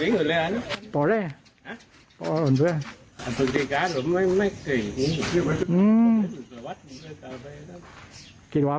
กูปิกาทำไมไม่เสียอืม